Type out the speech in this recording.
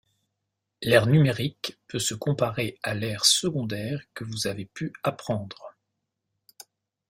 L’ère numérique peut se comparer à l’ère secondaire que vous avez pu apprendre.